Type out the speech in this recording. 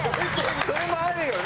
それもあるよね